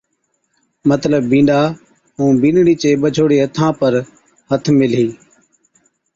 مطلب بِينڏا ائُون بِينڏڙِي چي ٻجھوڙي ھٿان پر ھٿ ميلھِي